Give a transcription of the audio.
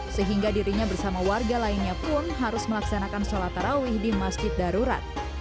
sehingga dirinya bersama warga lainnya pun harus melaksanakan sholat tarawih di masjid darurat